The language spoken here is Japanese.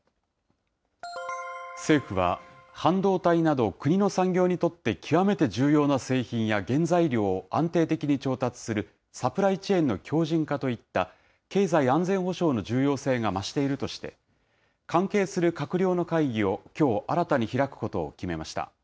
政府は半導体など、国の産業にとって極めて重要な製品や原材料を安定的に調達するサプライチェーンの強じん化といった、経済安全保障の重要性が増しているとして、関係する閣僚の会議をきょう、新たに開くことを決めました。